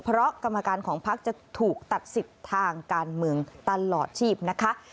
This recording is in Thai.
เพราะกรรมการของพักจะถูกตัดสิทธิ์ทางการเมืองตลอดชีพนะคะ